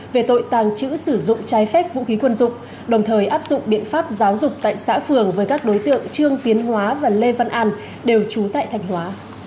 về tội tàng trữ sử dụng trái phép vũ khí quân dụng đồng thời áp dụng biện pháp giáo dục tại xã phường với các đối tượng trương tiến hóa và lê văn an đều trú tại thành hóa